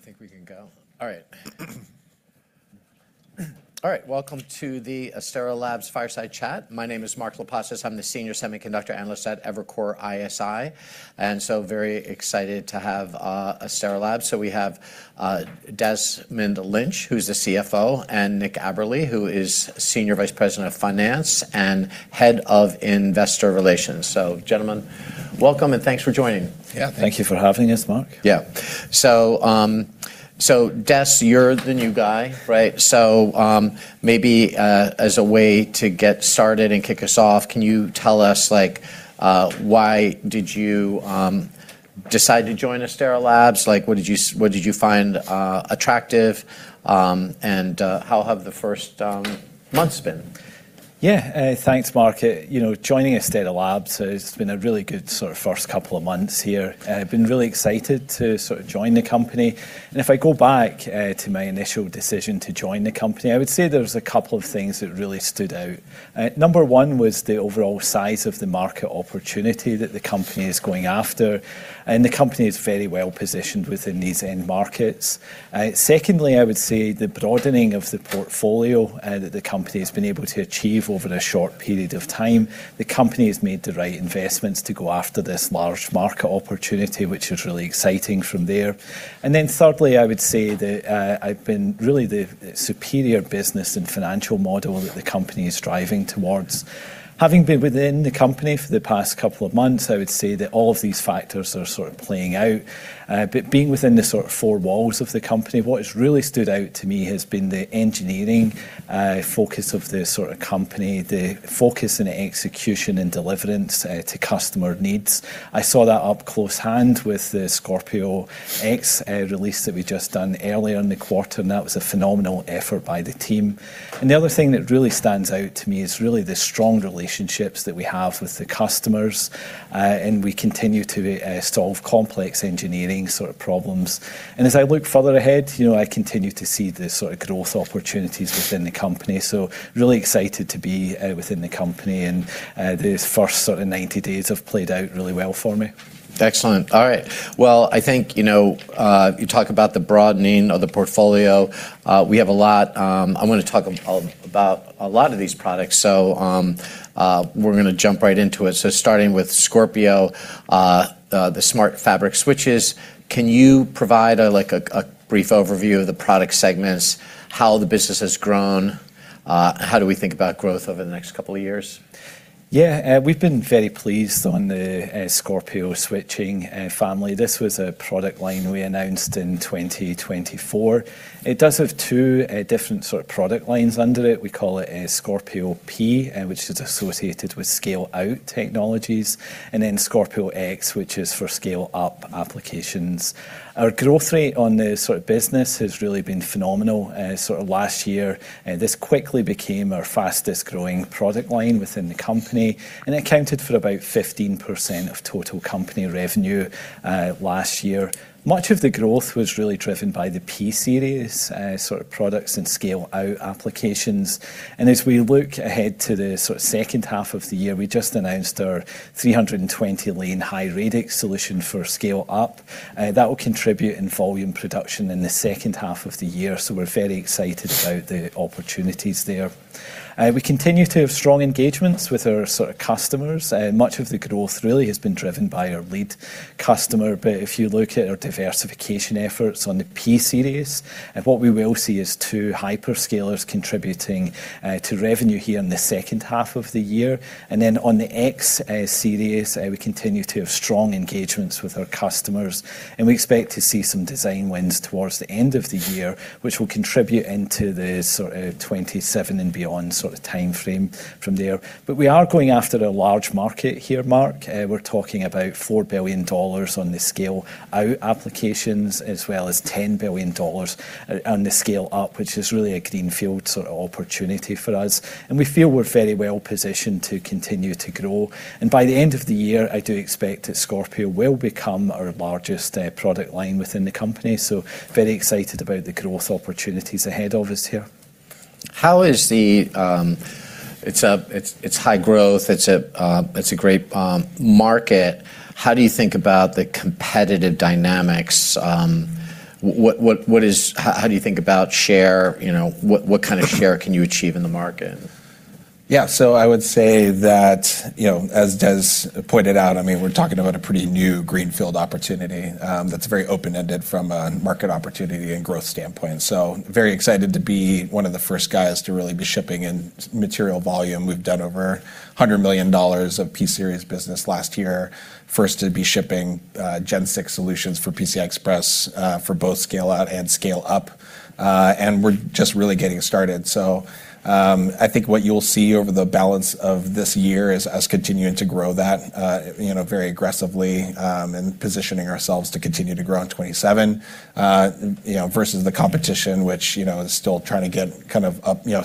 I think we can go. All right. All right, welcome to the Astera Labs Fireside Chat. My name is Mark Lipacis. I'm the senior semiconductor analyst at Evercore ISI, very excited to have Astera Labs. We have Desmond Lynch, who's the CFO, and Nick Aberle, who is Senior Vice President of Finance and Head of Investor Relations. Gentlemen, welcome, and thanks for joining. Yeah. Thank you for having us, Mark. Yeah. Des, you're the new guy, right? Maybe as a way to get started and kick us off, can you tell us why did you decide to join Astera Labs? What did you find attractive? How have the first months been? Yeah. Thanks, Mark. Joining Astera Labs has been a really good first couple of months here. I've been really excited to join the company. If I go back to my initial decision to join the company, I would say there's a couple of things that really stood out. Number 1 was the overall size of the market opportunity that the company is going after, and the company is very well-positioned within these end markets. Secondly, I would say the broadening of the portfolio that the company's been able to achieve over a short period of time. The company has made the right investments to go after this large market opportunity, which is really exciting for them. Thirdly, I would say that I've been really seeing the superior business and financial model that the company is striving towards. Having been within the company for the past couple of months, I would say that all of these factors are sort of playing out. Being within the four walls of the company, what has really stood out to me has been the engineering focus of the company, the focus and execution and delivery to customer needs. I saw that up close firsthand with the Scorpio X release that we'd just done earlier in the quarter, and that was a phenomenal effort by the team. The other thing that really stands out to me is really the strong relationships that we have with the customers. We continue to solve complex engineering sort of problems. As I look further ahead, I continue to see the growth opportunities within the company. Really excited to be within the company and these first sort of 90 days have played out really well for me. Excellent. All right. Well, I think, you talk about the broadening of the portfolio. I want to talk about a lot of these products, we're going to jump right into it. Starting with Scorpio, the smart fabric switch, can you provide a brief overview of the product segments, how the business has grown? How do we think about growth over the next couple of years? Yeah. We've been very pleased on the Scorpio switching family. This was a product line we announced in 2024. It does have two different sort of product lines under it. We call it Scorpio P, which is associated with scale-out technologies, and then Scorpio X, which is for scale-up applications. Our growth rate on this sort of business has really been phenomenal. Last year, this quickly became our fastest-growing product line within the company and accounted for about 15% of total company revenue last year. Much of the growth was really driven by the P-Series sort of products and scale-out applications. As we look ahead to the second half of the year, we just announced our 320-lane high radix solution for scale-up. That will contribute to volume production in the second half of the year, so we're very excited about the opportunities there. We continue to have strong engagements with our sort of customers. Much of the growth really has been driven by our lead customer, but if you look at our diversification efforts on the P-Series, and what we will see is two hyperscalers contributing to revenue here in the second half of the year. On the X-Series, we continue to have strong engagements with our customers, and we expect to see some design wins towards the end of the year, which will contribute into the sort of 2027 and beyond sort of timeframe from there. We are going after a large market here, Mark. We're talking about $4 billion on the scale-out applications, as well as $10 billion on the scale-up, which is really a greenfield sort of opportunity for us. We feel we're very well positioned to continue to grow. By the end of the year, I do expect that Scorpio will become our largest product line within the company, so very excited about the growth opportunities ahead of us here. It's high growth. It's a great market. How do you think about the competitive dynamics? How do you think about share? What kind of share can you achieve in the market? Yeah. I would say that, as Des pointed out, we're talking about a pretty new greenfield opportunity that's very open-ended from a market opportunity and growth standpoint. Very excited to be one of the first guys to really be shipping in material volume. We've done over $100 million of P-Series business last year. First to be shipping Gen 6 solutions for PCI Express for both scale-out and scale-up. We're just really getting started. I think what you'll see over the balance of this year is us continuing to grow that very aggressively, and positioning ourselves to continue to grow in 2027, versus the competition, which is still trying to get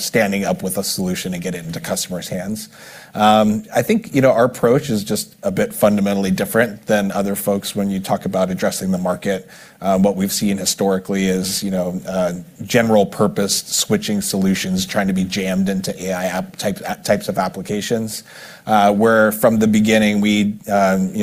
stood up with a solution and get it into customers' hands. I think, our approach is just a bit fundamentally different than other folks when you talk about addressing the market. What we've seen historically is general purpose switching solutions trying to be jammed into AI types of applications. From the beginning, we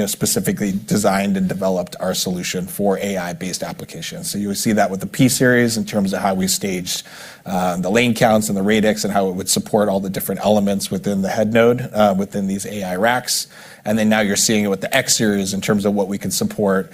specifically designed and developed our solution for AI-based applications. You would see that with the P-Series in terms of how we staged the lane counts and the radix and how it would support all the different elements within the head node, within these AI racks. Now you're seeing it with the X-Series in terms of what we can support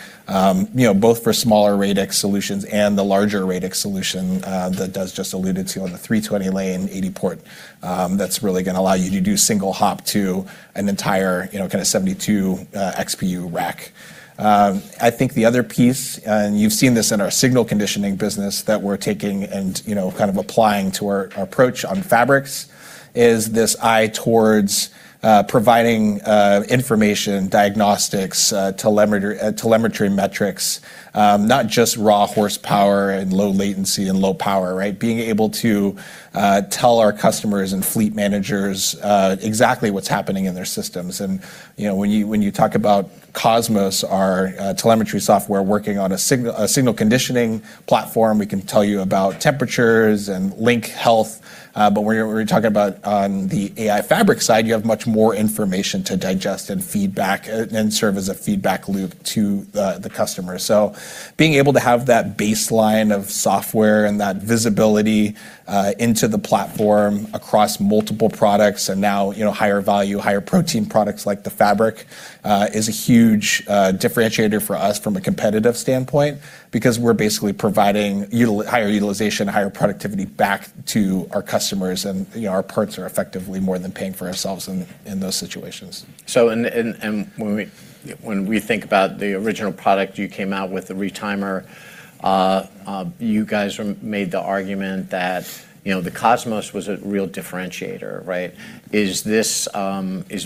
both for smaller radix solutions and the larger radix solution that Des just alluded to on the 320 lane 80 port, that's really going to allow you to do single hop to an entire 72 XPU rack. I think the other piece, and you've seen this in our signal conditioning business that we're taking and kind of applying to our approach on fabrics, is this eye towards providing information, diagnostics, telemetry metrics, not just raw horsepower and low latency and low power, right? Being able to tell our customers and fleet managers exactly what's happening in their systems. When you talk about COSMOS, our telemetry software working on a signal conditioning platform, we can tell you about temperatures and link health. When you're talking about on the AI fabric side, you have much more information to digest and serve as a feedback loop to the customer. Being able to have that baseline of software and that visibility into the platform across multiple products and now, higher value, higher protein products like the fabric, is a huge differentiator for us from a competitive standpoint because we're basically providing higher utilization, higher productivity back to our customers, and our products are effectively more than paying for ourselves in those situations. When we think about the original product you came out with, the retimer, you guys made the argument that the COSMOS was a real differentiator, right? Is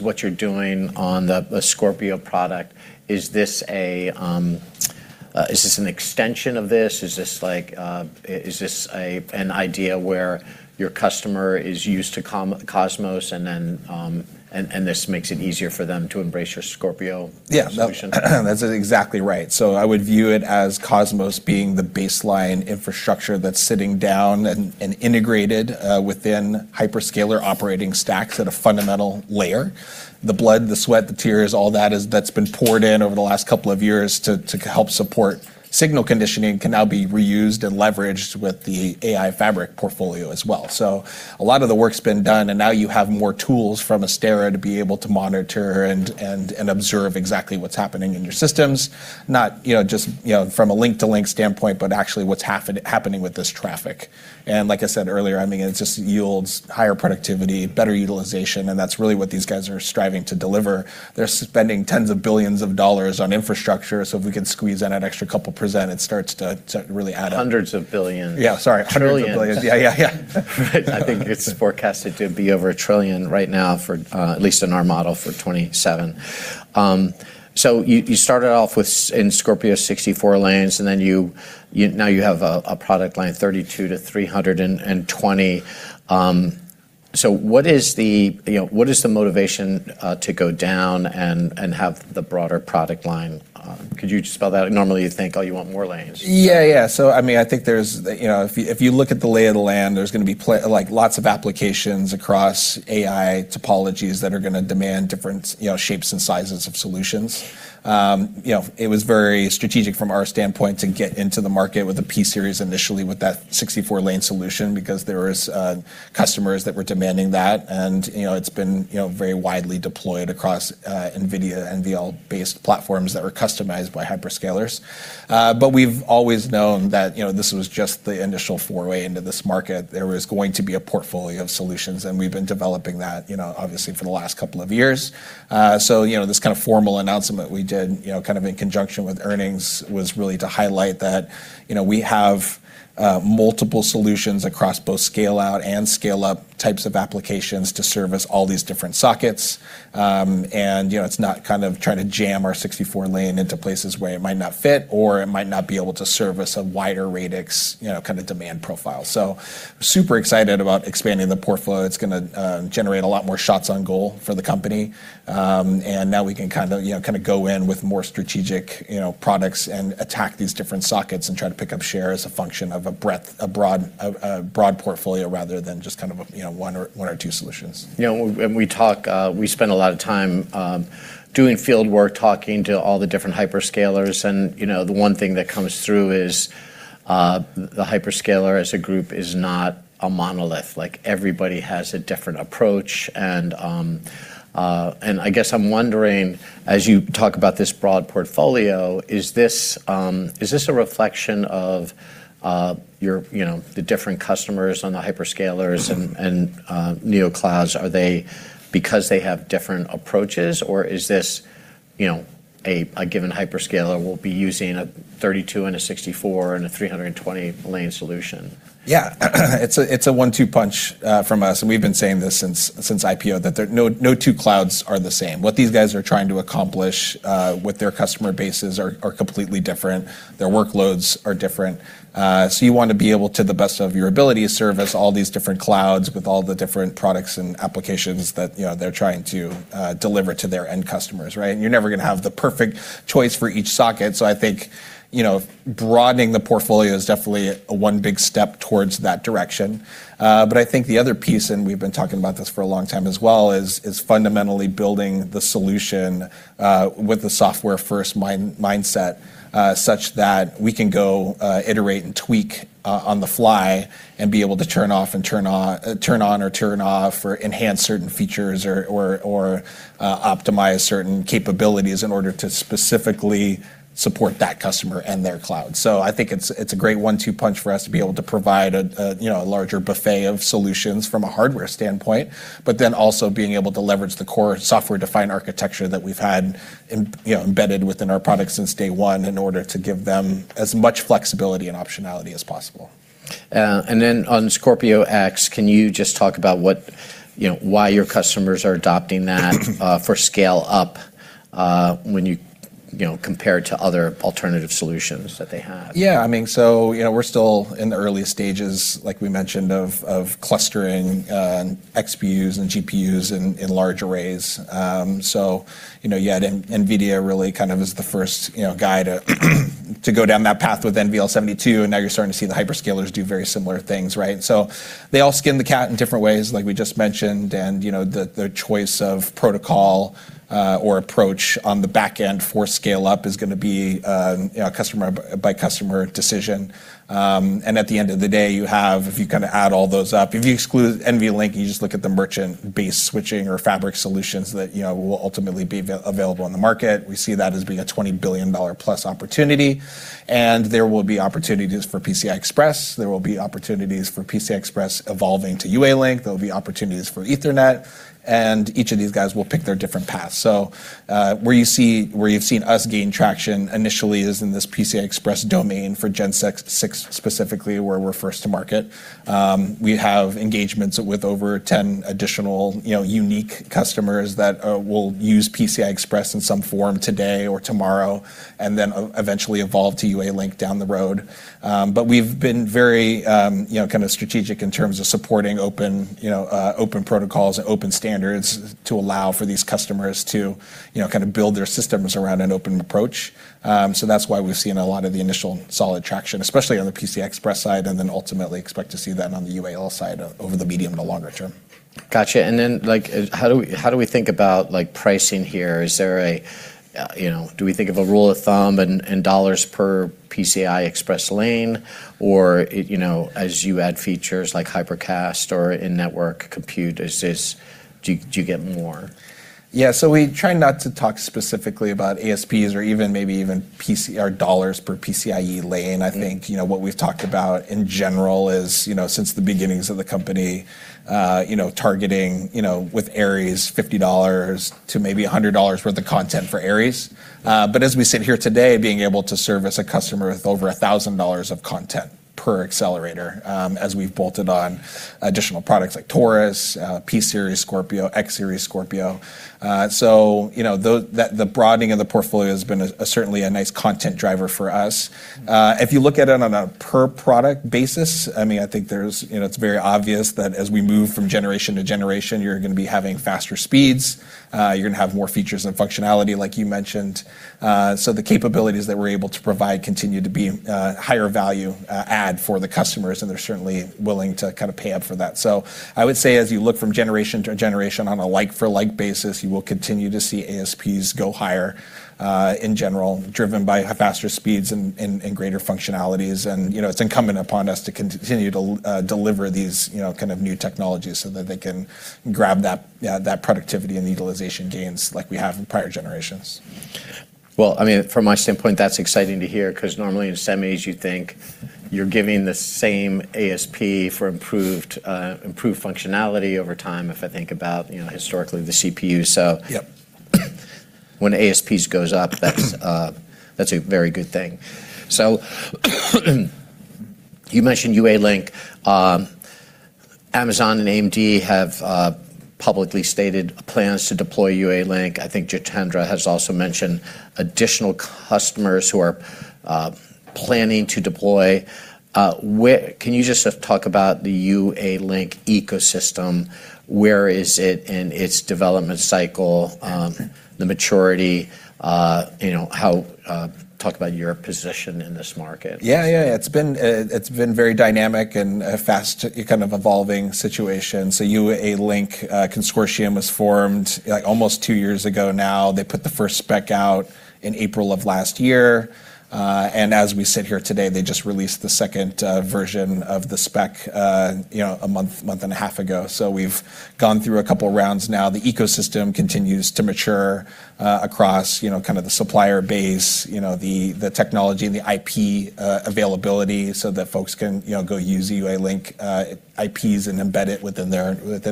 what you're doing on the Scorpio product, is this an extension of this? Is this an idea where your customer is used to COSMOS and this makes it easier for them to embrace your Scorpio solution? Yeah. That's exactly right. I would view it as COSMOS being the baseline infrastructure that's sitting down and integrated within hyperscaler operating stacks at a fundamental layer. The blood, the sweat, the tears, all that's been poured in over the last couple of years to help support signal conditioning can now be reused and leveraged with the AI fabric portfolio as well. A lot of the work's been done, and now you have more tools from Astera to be able to monitor and observe exactly what's happening in your systems, not just from a link to link standpoint, but actually what's happening with this traffic. Like I said earlier, it just yields higher productivity, better utilization, and that's really what these guys are striving to deliver. They're spending tens of billions of dollars on infrastructure. If we can squeeze in an extra couple percent, it starts to really add up. Hundreds of billions. Yeah, sorry. hundreds of billions. Trillions. Yeah. Right. I think it's forecasted to be over $1 trillion right now, at least in our model for 2027. You started off in Scorpio 64-lane, and then now you have a product line 32-320. What is the motivation to go down and have the broader product line? Could you just spell that out? Normally you think, oh, you want more lanes. I think if you look at the lay of the land, there's going to be lots of applications across AI topologies that are going to demand different shapes and sizes of solutions. It was very strategic from our standpoint to get into the market with the P-Series initially with that 64-lane solution because there was customers that were demanding that, and it's been very widely deployed across NVIDIA NVLink-based platforms that were customized by hyperscalers. We've always known that this was just the initial foray into this market. There was going to be a portfolio of solutions, and we've been developing that obviously for the last couple of years. This kind of formal announcement we did in conjunction with earnings was really to highlight that we have multiple solutions across both scale-out and scale-up types of applications to service all these different sockets. It's not trying to jam our 64-lane into places where it might not fit or it might not be able to service a wider radix demand profile. Super excited about expanding the portfolio. It's going to generate a lot more shots on goal for the company. Now we can go in with more strategic products and attack these different sockets and try to pick up share as a function of a broad portfolio rather than just one or two solutions. When we talk, we spend a lot of time doing field work, talking to all the different hyperscalers, and the one thing that comes through is. The hyperscaler as a group is not a monolith. Everybody has a different approach, and I guess I'm wondering, as you talk about this broad portfolio, is this a reflection of the different customers on the hyperscalers and neo-clouds? Is it because they have different approaches, or is this a given hyperscaler will be using a 32 and a 64 and a 320-lane solution? Yeah. It's a one-two punch from us, and we've been saying this since IPO, that no two clouds are the same. What these guys are trying to accomplish with their customer bases are completely different. Their workloads are different. You want to be able, to the best of your ability, to service all these different clouds with all the different products and applications that they're trying to deliver to their end customers, right? You're never going to have the perfect choice for each socket. I think broadening the portfolio is definitely one big step towards that direction. I think the other piece, and we've been talking about this for a long time as well, is fundamentally building the solution with the software-first mindset, such that we can go iterate and tweak on the fly and be able to turn on or turn off or enhance certain features or optimize certain capabilities in order to specifically support that customer and their cloud. I think it's a great one-two punch for us to be able to provide a larger buffet of solutions from a hardware standpoint, but then also being able to leverage the core software-defined architecture that we've had embedded within our product since day one in order to give them as much flexibility and optionality as possible. On Scorpio X, can you just talk about why your customers are adopting that for scale up when compared to other alternative solutions that they have? Yeah. We're still in the early stages, like we mentioned, of clustering, XPUs and GPUs in large arrays. You had NVIDIA really as the first guy to go down that path with NVL72, and now you're starting to see the hyperscalers do very similar things, right? They all skin the cat in different ways, like we just mentioned, and their choice of protocol, or approach on the back end for scale-up is going to be a customer-by-customer decision. At the end of the day, if you add all those up, if you exclude NVLink and you just look at the merchant-based switching or fabric solutions that will ultimately be available on the market, we see that as being a $20+ billion opportunity, there will be opportunities for PCI Express, there will be opportunities for PCI Express evolving to UALink, there will be opportunities for Ethernet, and each of these guys will pick their different paths. Where you've seen us gain traction initially is in this PCI Express domain for Gen 6 specifically, where we're first to market. We have engagements with over 10 additional unique customers that will use PCI Express in some form today or tomorrow, then eventually evolve to UALink down the road. We've been very strategic in terms of supporting open protocols and open standards to allow for these customers to build their systems around an open approach. That's why we've seen a lot of the initial solid traction, especially on the PCI Express side, and then ultimately expect to see that on the UAL side over the medium to longer term. Got you. How do we think about pricing here? Do we think of a rule of thumb in dollars per PCI Express lane, or as you add features like Hypercast or in-network compute, do you get more? Yeah. We try not to talk specifically about ASPs or even maybe even per dollars per PCIe lane. I think what we've talked about in general is, since the beginnings of the company, targeting with Aries, $50-$100 worth of content for Aries. As we sit here today, being able to service a customer with over $1,000 of content per accelerator, as we've bolted on additional products like Taurus, Scorpio P-Series, Scorpio X-Series. The broadening of the portfolio has been certainly a nice content driver for us. If you look at it on a per-product basis, it's very obvious that as we move from generation to generation, you're going to be having faster speeds. You're going to have more features and functionality, like you mentioned. The capabilities that we're able to provide continue to be higher value add for the customers, and they're certainly willing to pay up for that. I would say as you look from generation to generation on a like for like basis, you will continue to see ASPs go higher, in general, driven by faster speeds and greater functionalities. It's incumbent upon us to continue to deliver these kind of new technologies so that they can grab that productivity and utilization gains like we have in prior generations. Well, from my standpoint, that's exciting to hear because normally in semis, you think you're giving the same ASP for improved functionality over time if I think about historically the CPU. Yep. When ASP goes up, that's a very good thing. You mentioned UALink. Amazon and AMD have publicly stated plans to deploy UALink. I think Jitendra has also mentioned additional customers who are planning to deploy. Can you just talk about the UALink ecosystem, where is it in its development cycle, the maturity, talk about your position in this market? It's been very dynamic and a fast kind of evolving situation. UALink consortium was formed almost two years ago now. They put the first spec out in April of last year. As we sit here today, they just released the second version of the spec a month and a half ago. We've gone through a couple of rounds now. The ecosystem continues to mature across the supplier base, the technology, and the IP availability so that folks can go use UALink IPs and embed it within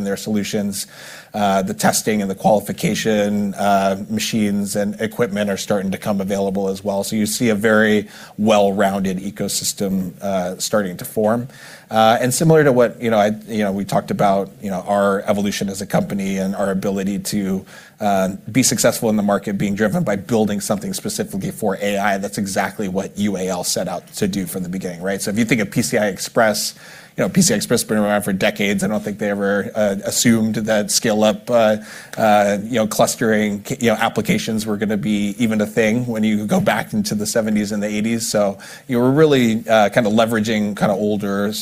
their solutions. The testing and the qualification machines and equipment are starting to come available as well. You see a very well-rounded ecosystem starting to form. Similar to what we talked about, our evolution as a company and our ability to be successful in the market being driven by building something specifically for AI, that's exactly what UAL set out to do from the beginning. Right. If you think of PCI Express, PCI Express has been around for decades. I don't think they ever assumed that scale-up clustering applications were going to be even a thing when you go back into the 1970s and the 1980s. You were really kind of leveraging older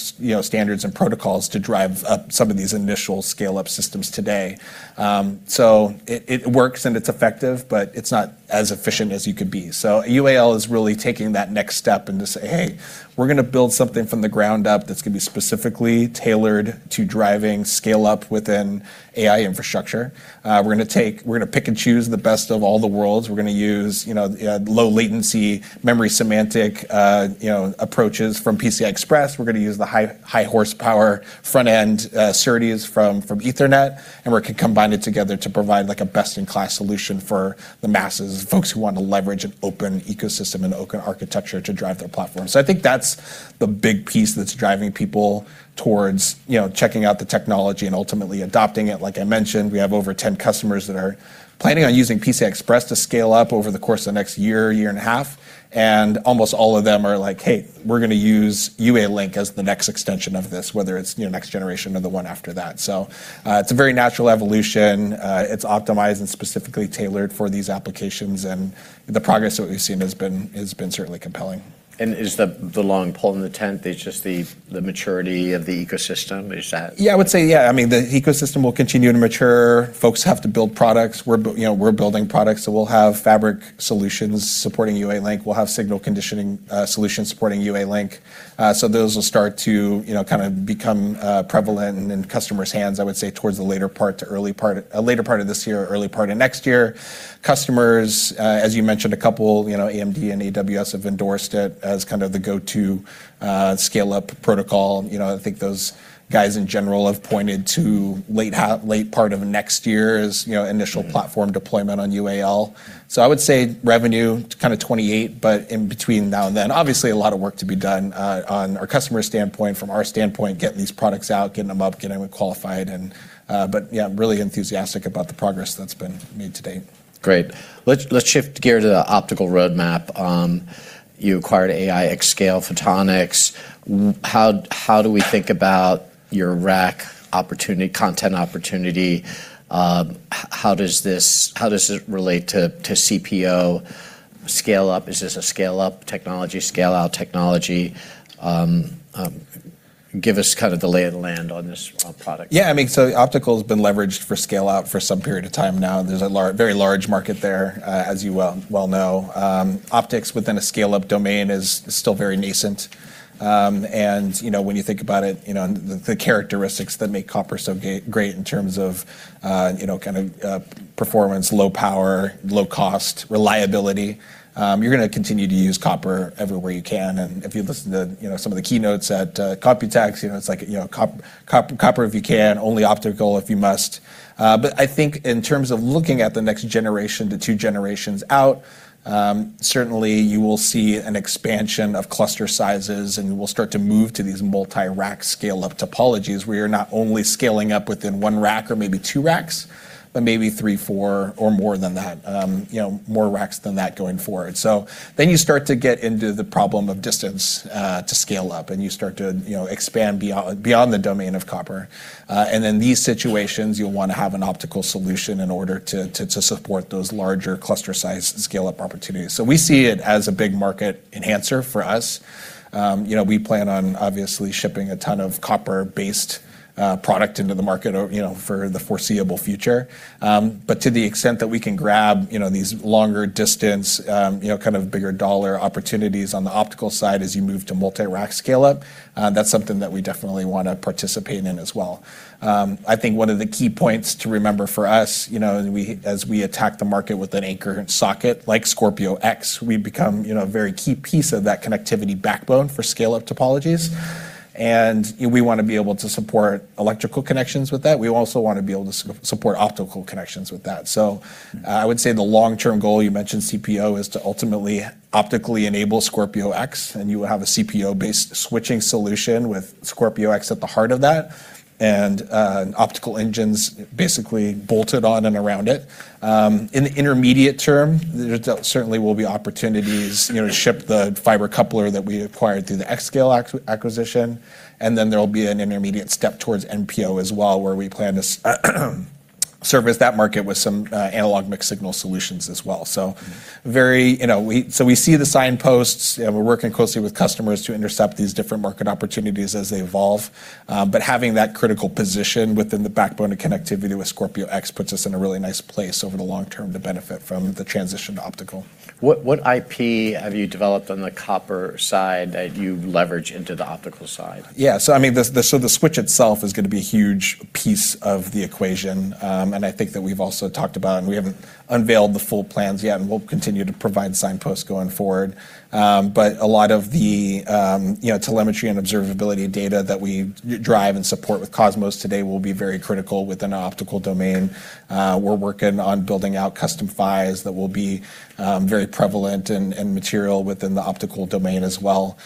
standards and protocols to drive up some of these initial scale-up systems today. It works and it's effective, but it's not as efficient as you could be. UAL is really taking that next step and to say, "Hey, we're going to build something from the ground up that's going to be specifically tailored to driving scale up within AI infrastructure. We're going to pick and choose the best of all the worlds. We're going to use low latency memory semantic approaches from PCI Express. We're going to use the high horsepower front-end SerDes from Ethernet, and we're going to combine it together to provide a best-in-class solution for the masses, folks who want to leverage an open ecosystem and open architecture to drive their platform." I think that's the big piece that's driving people towards checking out the technology and ultimately adopting it. Like I mentioned, we have over 10 customers that are planning on using PCI Express to scale up over the course of the next year and a half, and almost all of them are like, "Hey, we're going to use UALink as the next extension of this," whether it's next generation or the one after that. It's a very natural evolution. It's optimized and specifically tailored for these applications, and the progress that we've seen has been certainly compelling. Is the long pole in the tent just the maturity of the ecosystem? The ecosystem will continue to mature. Folks have to build products. We're building products. We'll have fabric solutions supporting UALink. We'll have signal conditioning solutions supporting UALink. Those will start to become prevalent in customers' hands, I would say towards the later part of this year or early part of next year. Customers, as you mentioned, a couple, AMD and AWS, have endorsed it as the go-to scale-up protocol. I think those guys, in general, have pointed to the late part of next year as initial platform deployment on UAL. I would say revenue to kind of 2028, in between now and then. Obviously, a lot of work to be done on our customer standpoint, from our standpoint, getting these products out, getting them up, getting them qualified in. Yeah, I'm really enthusiastic about the progress that's been made to date. Great. Let's shift gears to the optical roadmap. You acquired aiXscale Photonics. How do we think about your rack opportunity, content opportunity? How does this relate to CPO scale-up? Is this a scale-up technology, scale-out technology? Give us the lay of the land on this product. Optical has been leveraged for scale-out for some period of time now. There's a very large market there, as you well know. Optics within a scale-up domain is still very nascent. When you think about it, the characteristics that make copper so great in terms of performance, low power, low cost, reliability, you're going to continue to use copper everywhere you can. If you listen to some of the keynotes at Computex, it's like, copper if you can, only optical if you must. I think in terms of looking at the next generation to two generations out, certainly you will see an expansion of cluster sizes, and we'll start to move to these multi-rack scale-up topologies where you're not only scaling up within one rack or maybe two racks, but maybe three, four, or more than that. More racks than that going forward. You start to get into the problem of distance to scale up, and you start to expand beyond the domain of copper. In these situations, you'll want to have an optical solution in order to support those larger cluster size scale-up opportunities. We see it as a big market enhancer for us. We plan on obviously shipping a ton of copper-based product into the market for the foreseeable future. To the extent that we can grab these longer distance, bigger dollar opportunities on the optical side as you move to multi-rack scale-up, that's something that we definitely want to participate in as well. I think one of the key points to remember for us, as we attack the market with an anchor socket like Scorpio X, we become a very key piece of that connectivity backbone for scale-up topologies. We want to be able to support electrical connections with that. We also want to be able to support optical connections with that. I would say the long-term goal, you mentioned CPO, is to ultimately optically enable Scorpio X, and you will have a CPO-based switching solution with Scorpio X at the heart of that and optical engines basically bolted on and around it. In the intermediate term, there certainly will be opportunities to ship the fiber coupler that we acquired through the aiXscale acquisition, and then there will be an intermediate step towards NPO as well, where we plan to service that market with some analog mixed-signal solutions as well. We see the signposts and we're working closely with customers to intercept these different market opportunities as they evolve. Having that critical position within the backbone of connectivity with Scorpio X puts us in a really nice place over the long term to benefit from the transition to optical. What IP have you developed on the copper side that you leverage into the optical side? Yeah. The switch itself is going to be a huge piece of the equation. I think that we've also talked about, we haven't unveiled the full plans yet, we'll continue to provide signposts going forward. A lot of the telemetry and observability data that we drive and support with COSMOS today will be very critical within the optical domain. We're working on building out custom PHY that will be very prevalent and material within the optical domain as well.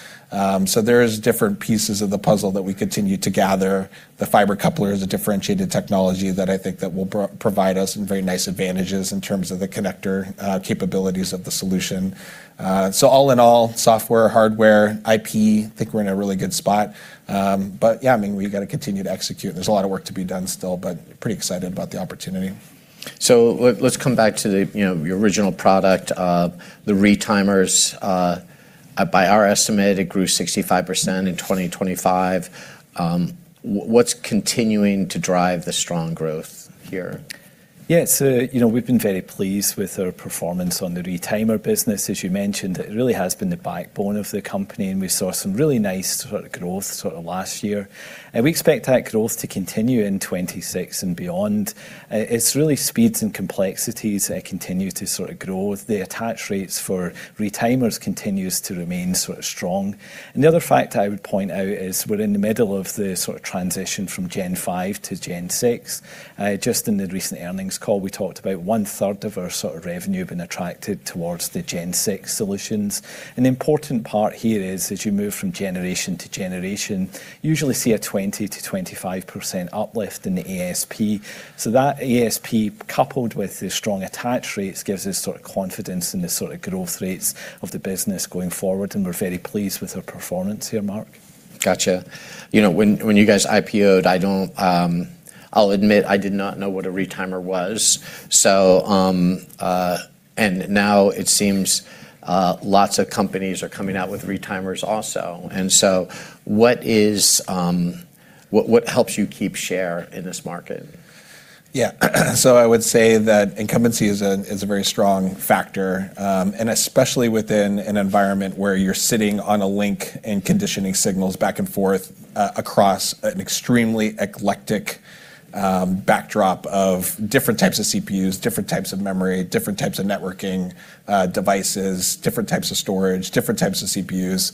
There's different pieces of the puzzle that we continue to gather. The fiber coupler is a differentiated technology that I think that will provide us very nice advantages in terms of the connector capabilities of the solution. All in all, software, hardware, IP, think we're in a really good spot. Yeah, we've got to continue to execute, and there's a lot of work to be done still, but pretty excited about the opportunity. Let's come back to your original product. The retimers, by our estimate, it grew 65% in 2025. What's continuing to drive the strong growth here? Yes. We've been very pleased with our performance on the retimer business. As you mentioned, it really has been the backbone of the company, and we saw some really nice growth last year. We expect that growth to continue in 2026 and beyond. It's really speeds and complexities continue to sort of grow. The attach rates for retimers continues to remain strong. The other fact I would point out is we're in the middle of the transition from Gen 5-Gen 6. Just in the recent earnings call, we talked about one-third of our revenue being attributed towards the Gen 6 Solutions. An important part here is as you move from generation to generation, you usually see a 20%-25% uplift in the ASP. That ASP, coupled with the strong attach rates, gives us confidence in the growth rates of the business going forward, and we're very pleased with our performance here, Mark. Got you. When you guys IPO'd, I'll admit, I did not know what a retimer was. Now it seems lots of companies are coming out with retimers also. What helps you keep share in this market? I would say that incumbency is a very strong factor, and especially within an environment where you're sitting on a link and conditioning signals back and forth across an extremely eclectic backdrop of different types of CPUs, different types of memory, different types of networking devices, different types of storage, different types of CPUs.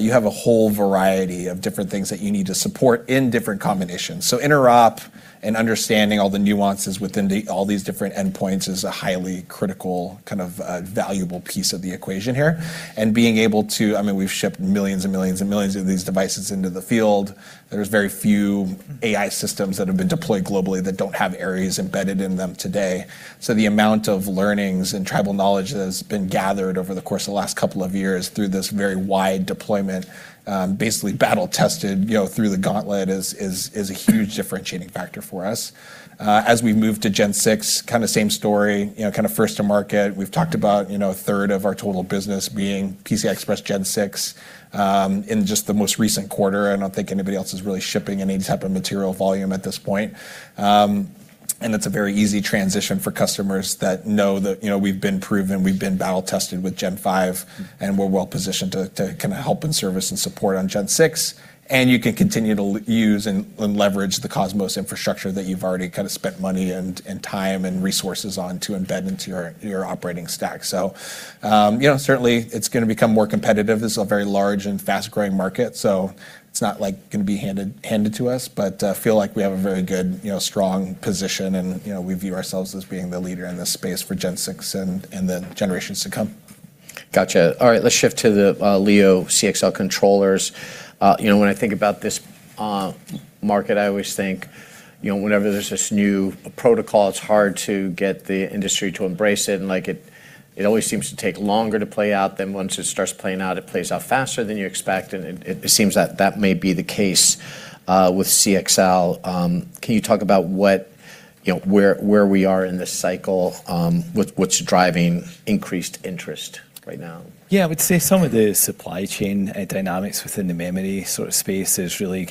You have a whole variety of different things that you need to support in different combinations. Interop and understanding all the nuances within all these different endpoints is a highly critical, valuable piece of the equation here. We've shipped millions and millions and millions of these devices into the field. There's very few AI systems that have been deployed globally that don't have Aries embedded in them today. The amount of learnings and tribal knowledge that has been gathered over the course of the last couple of years through this very wide deployment, basically battle-tested through the gauntlet is a huge differentiating factor for us. As we move to Gen 6, kind of same story, kind of first to market. We've talked about a third of our total business being PCI Express Gen 6 in just the most recent quarter. I don't think anybody else is really shipping any type of material volume at this point. It's a very easy transition for customers that know that we've been proven, we've been battle-tested with Gen 5, and we're well positioned to help and service and support on Gen 6. You can continue to use and leverage the COSMOS infrastructure that you've already spent money and time and resources on to embed into your operating stack. Certainly it's going to become more competitive. This is a very large and fast-growing market, so it's not going to be handed to us, but feel like we have a very good, strong position and we view ourselves as being the leader in this space for Gen 6 and the generations to come. Got you. All right, let's shift to the Leo CXL controllers. When I think about this market, I always think whenever there's this new protocol, it's hard to get the industry to embrace it. It always seems to take longer to play out than once it starts playing out, it plays out faster than you expect, and it seems that that may be the case with CXL. Can you talk about where we are in this cycle? What's driving increased interest right now? Yeah. I would say some of the supply chain dynamics within the memory space is really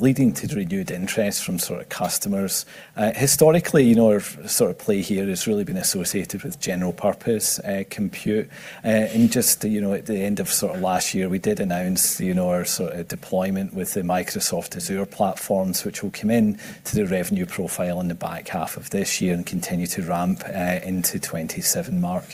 leading to renewed interest from customers. Historically, our play here has really been associated with general purpose compute. Just at the end of last year, we did announce our deployment with the Microsoft Azure platforms, which will come in to the revenue profile in the back half of this year and continue to ramp into 2027, Mark.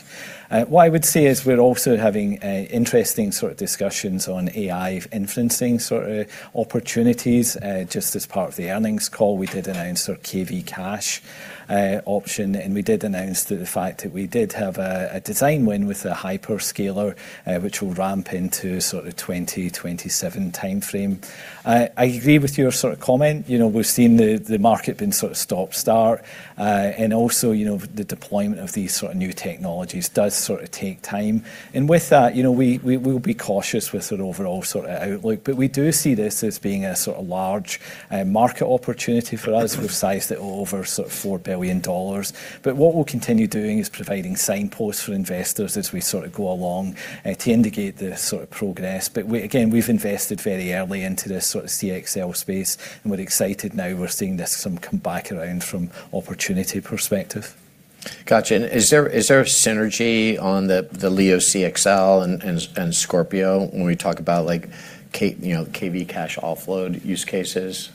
What I would say is we're also having interesting discussions on AI inferencing sort of opportunities. Just as part of the earnings call, we did announce our KV cache option, and we did announce the fact that we did have a design win with a hyperscaler, which will ramp into sort of 2027 timeframe. I agree with your comment. We've seen the market been sort of stop-start. Also, the deployment of these sort of new technologies does sort of take time. With that, we will be cautious with sort of overall sort of outlook, but we do see this as being a sort of large market opportunity for us. We've sized it over sort of $4 billion. What we'll continue doing is providing signposts for investors as we sort of go along to indicate the sort of progress. Again, we've invested very early into this sort of CXL space, and we're excited now we're seeing this come back around from opportunity perspective. Got you. Is there a synergy on the Leo CXL and Scorpio when we talk about KV cache offload use cases?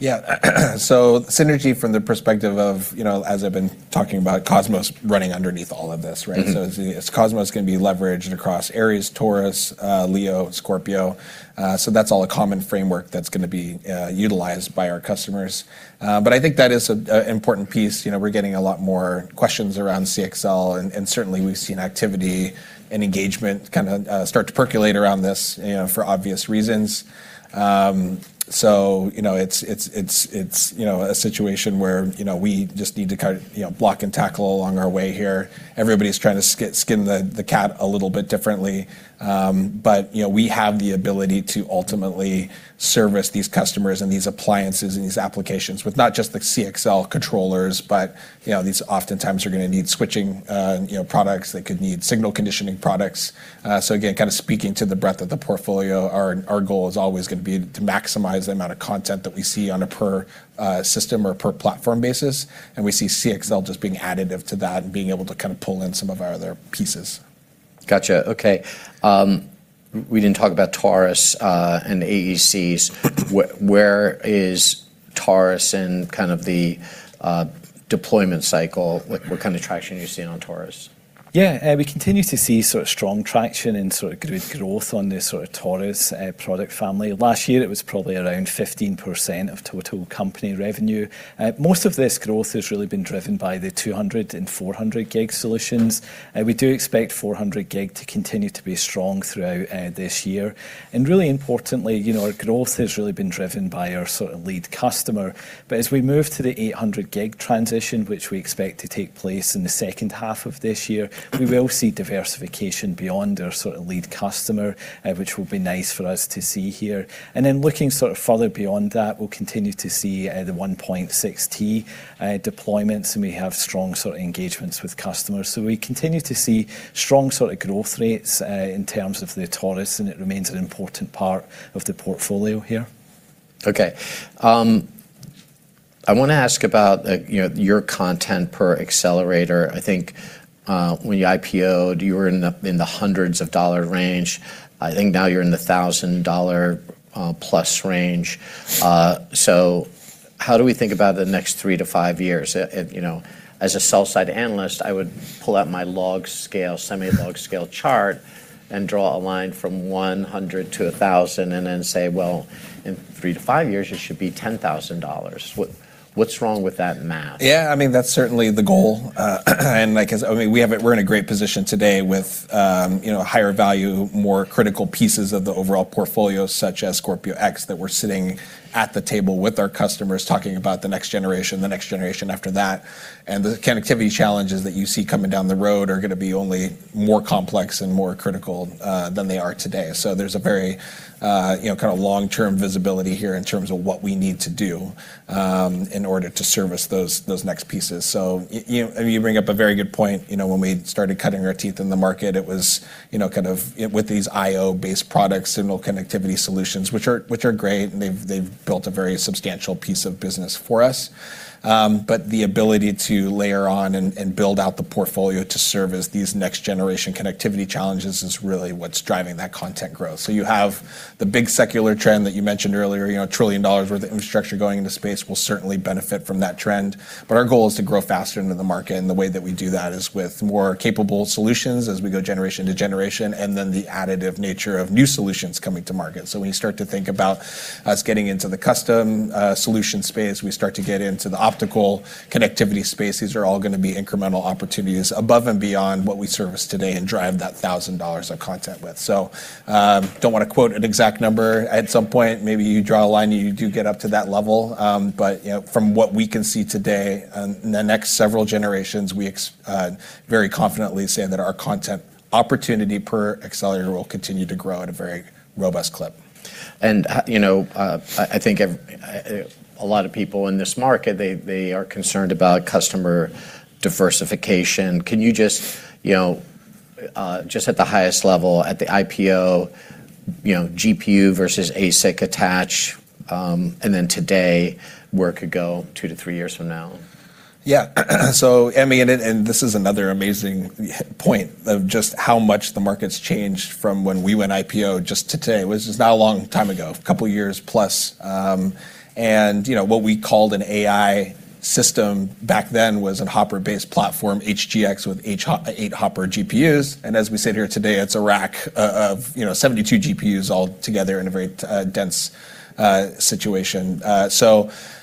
Yeah. Synergy from the perspective of, as I've been talking about COSMOS running underneath all of this, right? COSMOS is going to be leveraged across Aries, Taurus, Leo, Scorpio. That's all a common framework that's going to be utilized by our customers. I think that is an important piece. We're getting a lot more questions around CXL, and certainly, we've seen activity and engagement kind of start to percolate around this, for obvious reasons. It's a situation where we just need to kind of block and tackle along our way here. Everybody's trying to skin the cat a little bit differently. We have the ability to ultimately service these customers and these appliances and these applications with not just the CXL controllers, but these oftentimes are going to need switching products, they could need signal conditioning products. Again, kind of speaking to the breadth of the portfolio, our goal is always going to be to maximize the amount of content that we see on a per system or per platform basis. We see CXL just being additive to that and being able to kind of pull in some of our other pieces. Got you. Okay. We didn't talk about Taurus and AEC. Where is Taurus in kind of the deployment cycle? What kind of traction are you seeing on Taurus? We continue to see sort of strong traction and sort of good growth on the sort of Taurus product family. Last year, it was probably around 15% of total company revenue. Most of this growth has really been driven by the 200G and 400G solutions. We do expect 400G to continue to be strong throughout this year. Really importantly, our growth has really been driven by our sort of lead customer. As we move to the 800G transition, which we expect to take place in the second half of this year, we will see diversification beyond our sort of lead customer, which will be nice for us to see here. Looking sort of further beyond that, we'll continue to see the 1.6T deployments, and we have strong sort of engagements with customers. We continue to see strong sort of growth rates in terms of the Taurus, and it remains an important part of the portfolio here. Okay. I want to ask about your content per accelerator. I think when you IPO'd, you were in the hundreds of dollar range. I think now you're in the thousand dollar plus range. How do we think about the next three to five years? As a sell side analyst, I would pull out my log scale, semi-log scale chart and draw a line from 100-1,000 and then say, "Well, in three to five years, it should be $10,000." What's wrong with that math? That's certainly the goal. We're in a great position today with higher value, more critical pieces of the overall portfolio, such as Scorpio X, that we're sitting at the table with our customers talking about the next generation, the next generation after that. The connectivity challenges that you see coming down the road are going to be only more complex and more critical than they are today. There's a very kind of long-term visibility here in terms of what we need to do in order to service those next pieces. You bring up a very good point. When we started cutting our teeth in the market, it was kind of with these IO-based products, signal connectivity solutions, which are great, and they've built a very substantial piece of business for us. The ability to layer on and build out the portfolio to service these next-generation connectivity challenges is really what's driving that content growth. You have the big secular trend that you mentioned earlier, a $1 trillion worth of infrastructure going into space will certainly benefit from that trend. Our goal is to grow faster into the market, and the way that we do that is with more capable solutions as we go generation-to-generation, the additive nature of new solutions coming to market. When you start to think about us getting into the custom solution space, we start to get into the optical connectivity space. These are all going to be incremental opportunities above and beyond what we service today and drive that $1,000 of content with. Do not want to quote an exact number. At some point, maybe you draw a line and you do get up to that level. From what we can see today, in the next several generations, we very confidently say that our content opportunity per accelerator will continue to grow at a very robust clip. I think a lot of people in this market, they are concerned about customer diversification. Can you just at the highest level, at the IPO, GPU versus ASIC attach, and then today, where it could go two to three years from now? Yeah. This is another amazing point of just how much the market's changed from when we went IPO just to today. It was just not a long time ago, a couple of years plus. What we called an AI system back then was a Hopper-based platform, HGX, with eight Hopper GPUs. As we sit here today, it's a rack of 72 GPUs all together in a very dense situation.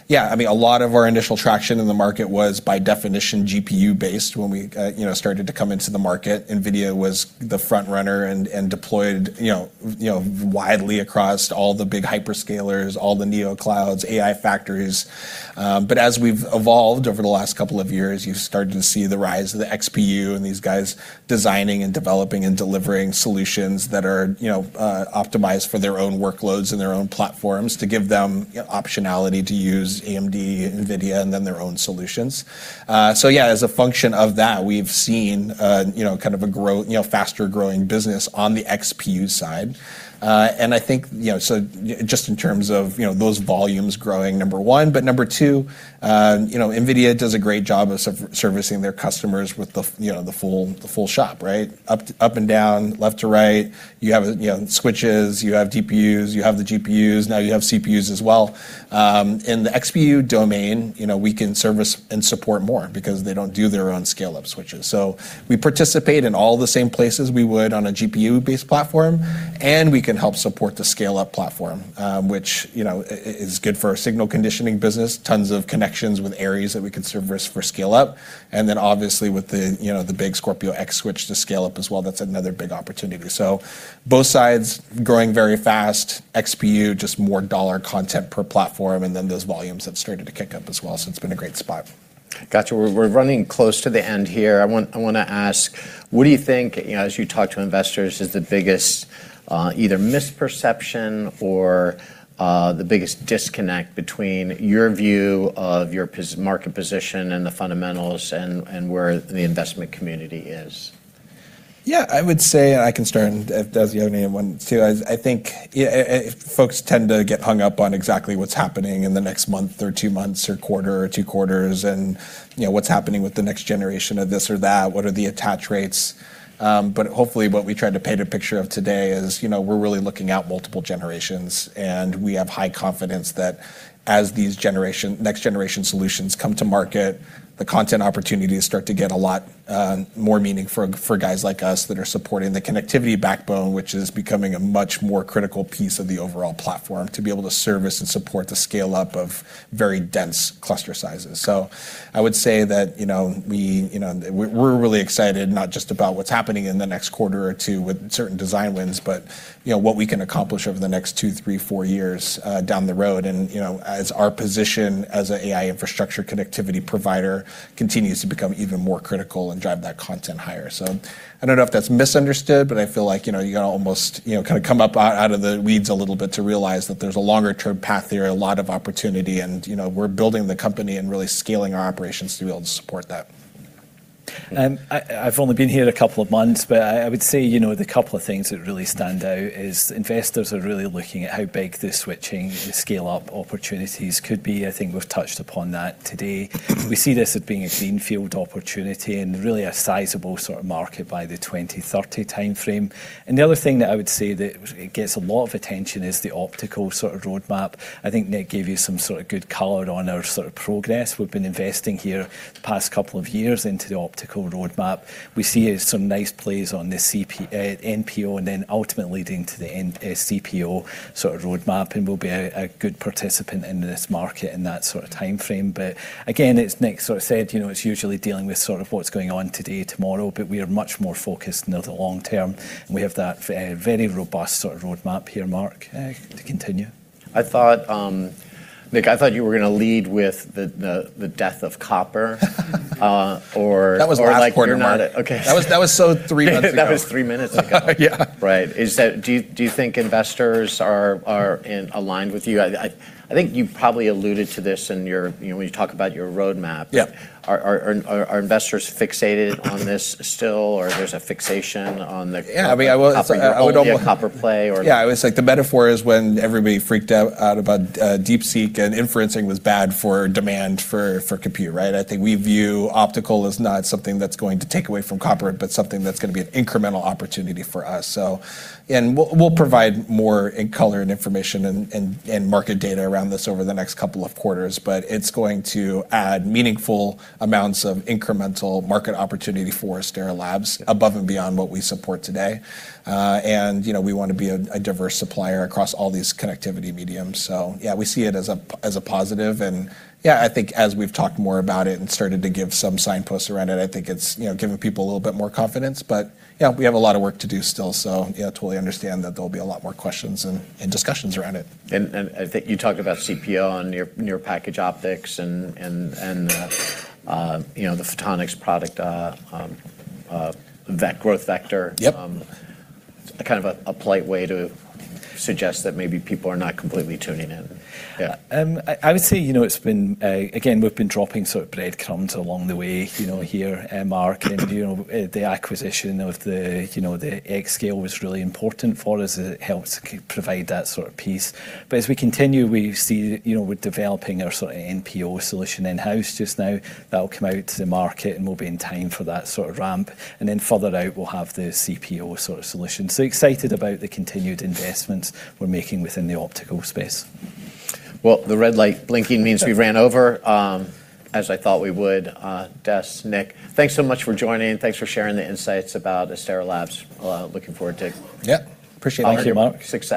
Yeah, a lot of our initial traction in the market was by definition GPU-based when we started to come into the market. NVIDIA was the front runner and deployed widely across all the big hyperscalers, all the neo clouds, AI factories. As we've evolved over the last couple of years, you've started to see the rise of the XPU and these guys designing and developing and delivering solutions that are optimized for their own workloads and their own platforms to give them optionality to use AMD, NVIDIA, and then their own solutions. Yeah, as a function of that, we've seen a faster-growing business on the XPU side. I think just in terms of those volumes growing, number one. Number 2, NVIDIA does a great job of servicing their customers with the full shop, right? Up and down, left to right. You have switches, you have TPUs, you have the GPUs, now you have CPUs as well. In the XPU domain, we can service and support more because they don't do their own scale-up switches. We participate in all the same places we would on a GPU-based platform, and we can help support the scale-up platform, which is good for our signal conditioning business. Tons of connections with Aries that we can service for scale up, and then obviously with the big Scorpio X switch to scale up as well, that's another big opportunity. Both sides growing very fast. XPU, just more dollar content per platform, and then those volumes have started to kick up as well. It's been a great spot. Got you. We're running close to the end here. I want to ask, what do you think, as you talk to investors, is the biggest either misperception or the biggest disconnect between your view of your market position and the fundamentals and where the investment community is? Yeah, I would say, and I can start, and if Des, you have anything you want to say. I think folks tend to get hung up on exactly what's happening in the next month or two months or quarter or two quarters, and what's happening with the next generation of this or that. What are the attach rates? Hopefully what we tried to paint a picture of today is we're really looking at multiple generations, and we have high confidence that as these next generation solutions come to market, the content opportunities start to get a lot more meaning for guys like us that are supporting the connectivity backbone, which is becoming a much more critical piece of the overall platform to be able to service and support the scale-up of very dense cluster sizes. I would say that we're really excited, not just about what's happening in the next quarter or two with certain design wins, but what we can accomplish over the next two, three, four years down the road. As our position as an AI infrastructure connectivity provider continues to become even more critical and drive that content higher. I don't know if that's misunderstood, but I feel like you've got to almost come up out of the weeds a little bit to realize that there's a longer-term path here, a lot of opportunity, and we're building the company and really scaling our operations to be able to support that. I've only been here a couple of months, but I would say the couple of things that really stand out is investors are really looking at how big the switching, the scale-up opportunities could be. I think we've touched upon that today. We see this as being a greenfield opportunity and really a sizable sort of market by the 2030 timeframe. The other thing that I would say that gets a lot of attention is the optical sort of roadmap. I think Nick gave you some sort of good color on our sort of progress. We've been investing here the past couple of years into the optical roadmap. We see some nice plays on the NPO and then ultimately leading to the CPO sort of roadmap, and we'll be a good participant in this market in that sort of timeframe. Again, as Nick sort of said, it's usually dealing with sort of what's going on today, tomorrow, but we are much more focused on the long term. We have that very robust sort of roadmap here. Mark, to continue. Nick, I thought you were going to lead with the death of copper. That was last quarter, Mark. Okay. That was so three months ago. That was three minutes ago. Yeah. Right. Do you think investors are in aligned with you? I think you probably alluded to this when you talk about your roadmap. Yeah. Are investors fixated on this still, or there's a fixation? Yeah, I mean. Copper play or? Yeah, it's like the metaphor is when everybody freaked out about DeepSeek and inferencing was bad for demand for compute, right? I think we view optical as not something that's going to take away from copper, but something that's going to be an incremental opportunity for us. We'll provide more color and information and market data around this over the next couple of quarters. It's going to add meaningful amounts of incremental market opportunity for Astera Labs above and beyond what we support today. We want to be a diverse supplier across all these connectivity mediums. Yeah, we see it as a positive. Yeah, I think as we've talked more about it and started to give some signposts around it, I think it's giving people a little bit more confidence. Yeah, we have a lot of work to do still, so yeah, totally understand that there'll be a lot more questions and discussions around it. I think you talked about CPO and near-package optics and the photonics product, that growth vector. Yep. Kind of a polite way to suggest that maybe people are not completely tuning in. Yeah. I would say it's been. Again, we've been dropping sort of breadcrumbs along the way here, Mark. The acquisition of the aiXscale was really important for us. It helps provide that sort of piece. As we continue, we see we're developing our sort of NPO solution in-house just now. That'll come out to the market. We'll be in time for that sort of ramp. Further out, we'll have the CPO sort of solution. Excited about the continued investments we're making within the optical space. Well, the red light blinking means we've ran over, as I thought we would. Des, Nick, thanks so much for joining, and thanks for sharing the insights about Astera Labs. Looking forward to. Yeah. Appreciate it, Mark. [See you soon.]